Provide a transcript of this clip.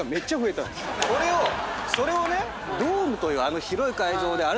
それをそれをねドームというあの広い会場であれ